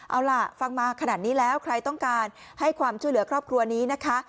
เอาล่ะฟังมาขนาดนี้แล้วใครต้องการให้ความช่วยเหลือครอบครัวนี้นะคะ